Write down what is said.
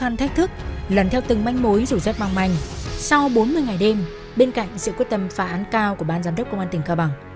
ngày đêm bên cạnh sự quyết tâm phá án cao của ban giám đốc công an tỉnh cao bằng